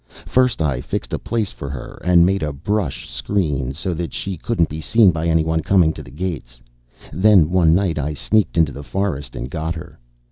First I fixed a place for her, and made a brush screen, so that she couldn't be seen by anyone coming to the gates. Then, one night, I sneaked into the forest and got her.